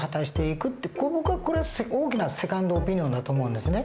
ここが大きなセカンドオピニオンだと思うんですね。